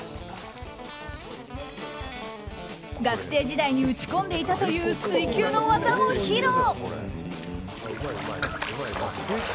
学生時代に打ち込んでいたという水球の技も披露！